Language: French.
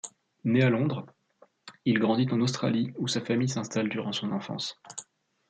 Né à Londres, il grandit en Australie où sa famille s'installe durant son enfance.